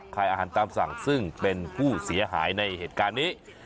ขายอาหารตามสั่งซึ่งเป็นผู้เสียหายในเหตุการณ์นี้